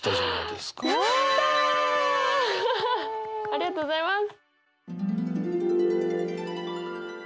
ありがとうございます！